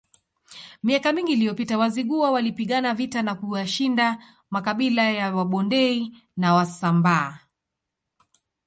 Miaka mingi iliyopita Wazigua walipigana vita na kuyashinda makabila ya Wabondei na Wasambaa